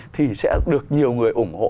thì sẽ được nhiều người ủng hộ